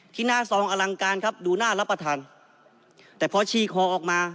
ที่หน้าซองอลังการครับดูน่ารับประทานแต่พอชีคอออกมา